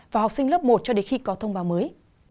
và học sinh lớp một cho đến khi có thông báo mới